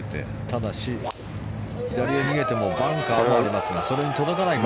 ただし、左へ逃げてもバンカーがありますがそれに届かない。